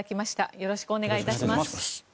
よろしくお願いします。